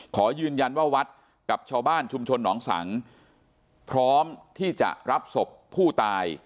ขอยืนยันว่าวัดกับชาวบ้านชุมชนหนองสังพร้อมที่จะรับศพผู้ตาย